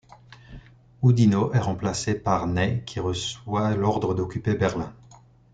Oudinot est remplacé par Ney qui reçoit l'ordre d'occuper Berlin.